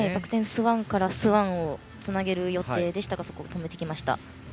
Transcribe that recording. スワンからスワンをつなげる予定でしたがそこを止めてきました。